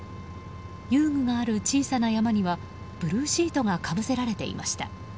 遊具がある小さな山にはブルーシートがかぶせられていました。